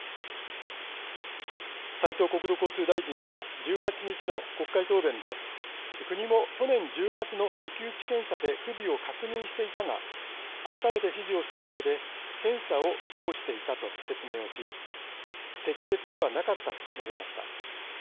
斉藤国土交通大臣は１８日の国会答弁で国も去年１０月の抜き打ち検査で不備を確認していたが改めて指示をしただけで検査を通していたと説明をし「適切ではなかった」と述べました。